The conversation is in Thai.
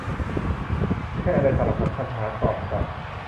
ไม่ใช่อะไรสลักสำคัญ. ทหารตอบกลับ